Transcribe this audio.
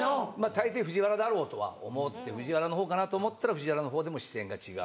大抵藤原だろうとは思って藤原の方かなと思ったら藤原の方でも視線が違う。